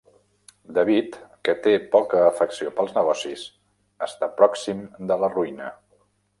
David, que té poca afecció pels negocis, està pròxim de la ruïna.